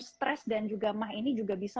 stres dan juga mah ini juga bisa